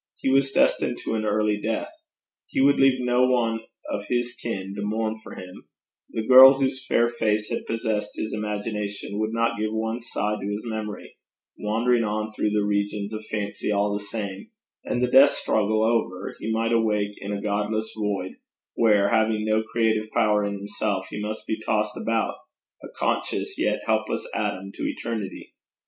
He was destined to an early death; he would leave no one of his kin to mourn for him; the girl whose fair face had possessed his imagination, would not give one sigh to his memory, wandering on through the regions of fancy all the same; and the death struggle over, he might awake in a godless void, where, having no creative power in himself, he must be tossed about, a conscious yet helpless atom, to eternity.